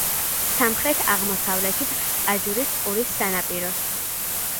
სამხრეთ-აღმოსავლეთით ტაჯურის ყურის სანაპიროს.